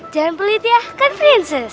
jangan pelit ya kan princes